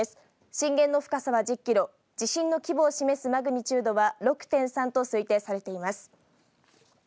震源の深さは１０キロ、地震の規模を示すマグニチュードは６．３と推定されています。